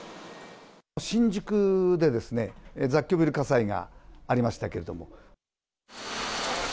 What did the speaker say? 新宿で、雑居ビル火災がありましたけれども。